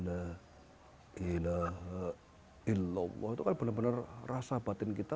allah itu kan benar benar rasa batin kita